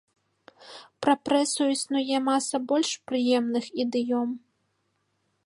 Пра прэсу існуе маса больш прыемных ідыём.